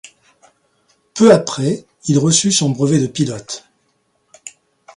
Peu après, il reçut son brevet de pilote.